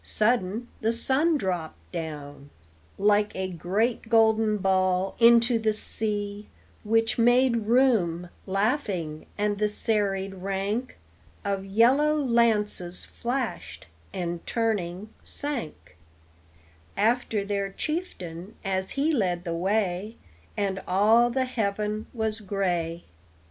Sudden the sun dropped down Like a great golden ball into the sea, Which made room, laughing, and the serried rank Of yellow lances flashed, and, turning, sank After their chieftain, as he led the way, And all the heaven was gray.